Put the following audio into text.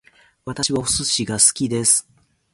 私はお寿司が好きです